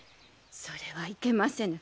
それはいけませぬ。